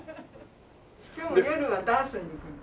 今日夜はダンスに行くの。